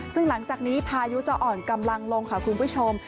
ซึ่งหลังจากนี้พายุจะอ่อนกำลังลงค่ะคุณผู้ชม